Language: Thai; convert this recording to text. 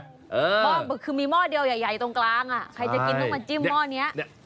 คือมีหม้อเดียวใหญ่ตรงกลาง